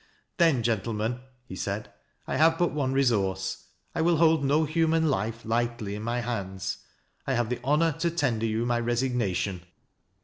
" Then, gentlemen," he said, " I have but one resource. I Will hold no human life lightly in my hands. I have the honor to tender you my resignation."